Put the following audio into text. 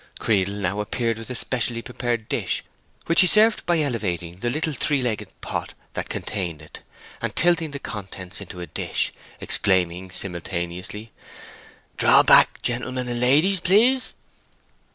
Creedle now appeared with a specially prepared dish, which he served by elevating the little three legged pot that contained it, and tilting the contents into a dish, exclaiming, simultaneously, "Draw back, gentlemen and ladies, please!"